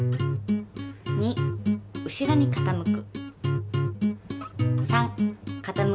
２後ろに傾く。